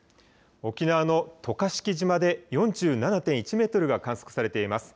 沖縄の渡嘉敷島で４７．１メートルが観測されています。